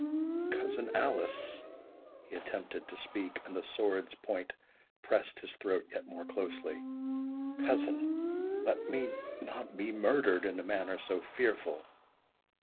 "Cousin Alice,"—he attempted to speak, and the sword's point pressed his throat yet more closely,—"Cousin, let me not be murdered in a manner so fearful!"